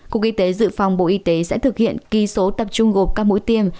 cục y tế dự phòng bộ y tế sẽ thực hiện ký số tập trung gộp các mũi tiêm